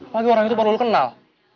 lagi orang itu baru kenal